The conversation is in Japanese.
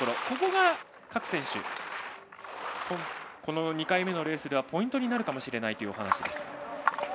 ここに、各選手２回目のレースではポイントになるかもしれないというお話です。